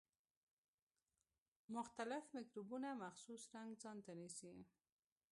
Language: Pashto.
مختلف مکروبونه مخصوص رنګ ځانته نیسي.